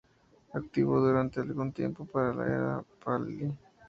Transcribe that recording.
Activo durante algún tiempo en la era Pahlavi.